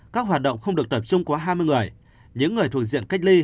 các hoạt động không được tập trung quá hai mươi người những người thuộc diện cách ly